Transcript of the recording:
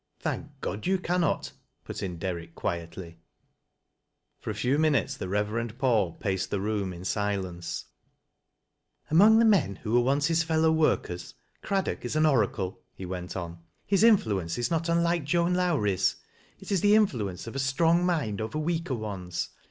" Thank God you cannot," put in Derrick quietly. For a few minutes the Reverend Paul paced the rooro m silence, " Among the men who were once his fellow workers (Vaddock is an oracle," he went on. " His inflnence i» " LIZ. 17 ttot auiike Joan Lowrie's. It is the iniluence of a strong mind over weaker ones.